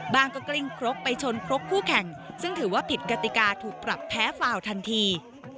ก็กลิ้งครกไปชนครบคู่แข่งซึ่งถือว่าผิดกติกาถูกปรับแพ้ฟาวทันที